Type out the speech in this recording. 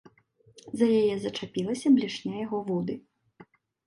За яе зачапілася блешня яго вуды.